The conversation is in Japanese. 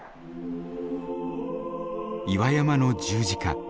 岩山の十字架。